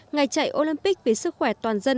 ngày chạy olympic vì sức khỏe toàn dân